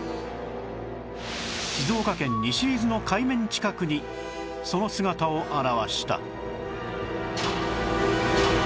静岡県西伊豆の海面近くにその姿を現した